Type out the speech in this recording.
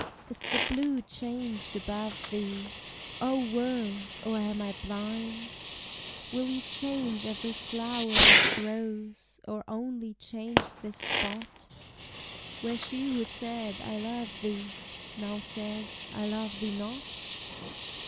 Is the blue changed above thee, O world! or am I blind? Will you change every flower that grows, Or only change this spot, Where she who said, I love thee, Now says, I love thee not?